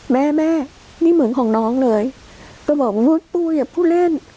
แม่แม่นี่เหมือนของน้องเลยก็บอกว่าปูอย่าพูดเล่น